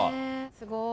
すごい。